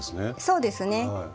そうですね。